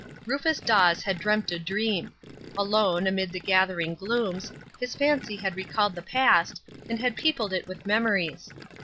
Rufus Dawes had dreamt a dream. Alone, amid the gathering glooms, his fancy had recalled the past, and had peopled it with memories.